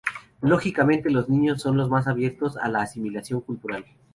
Lógicamente los niños son los más abiertos a la asimilación cultural.